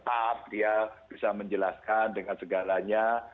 pap dia bisa menjelaskan dengan segalanya